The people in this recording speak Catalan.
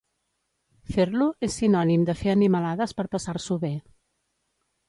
Fer-lo és sinònim de fer animalades per passar-s'ho bé.